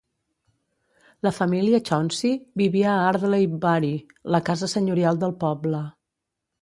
La família Chauncy vivia a Ardeley Bury, la casa senyorial del poble.